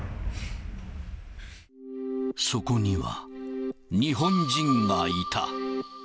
そこには、日本人がいた。